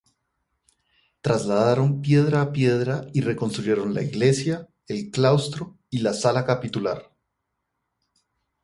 Trasladaron piedra a piedra y reconstruyeron la iglesia, el claustro y la sala capitular.